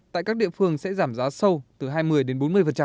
tại các địa phương sẽ giảm giá sâu từ hai mươi đến bốn mươi